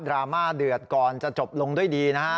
ราม่าเดือดก่อนจะจบลงด้วยดีนะฮะ